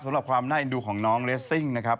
สำหรับความน่าเอ็นดูของน้องเลสซิ่งนะครับ